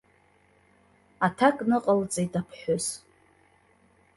Аҭак ныҟалҵеит аԥҳәыс.